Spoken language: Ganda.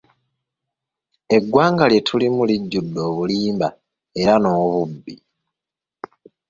Eggwanga lye tulimu lijjudde obulimba era n'obubbi.